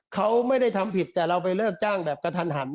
เขาไม่ได้ทำผิดแต่เราไปเลิกจ้างแบบกระทันหัน